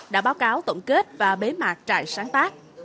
đã báo cáo tổng kết và bế mạc trại sáng tác